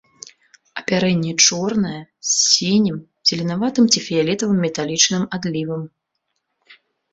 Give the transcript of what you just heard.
Апярэнне чорнае, з сінім, зеленаватым ці фіялетавым металічным адлівам.